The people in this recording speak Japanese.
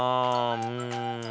うん。